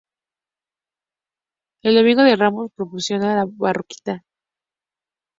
El Domingo de Ramos procesiona la "Borriquita".